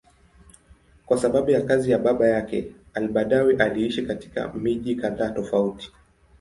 Kwa sababu ya kazi ya baba yake, al-Badawi aliishi katika miji kadhaa tofauti.